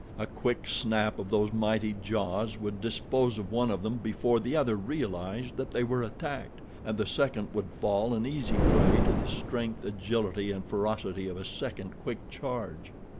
A quick snap of those mighty jaws would dispose of one of them before the other realized that they were attacked, and the second would fall an easy prey to the strength, agility and ferocity of a second quick charge.